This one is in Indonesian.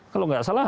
kalau nggak salah